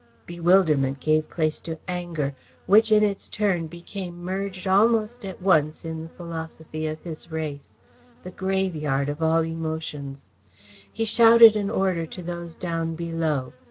Bewilderment gave place to anger, which in its turn became merged almost at once in the philosophy of his race the graveyard of all emotions! He shouted an order to those down below.